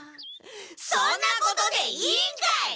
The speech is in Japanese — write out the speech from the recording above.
そんなことでいいんかい！